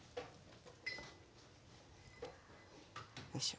よいしょ。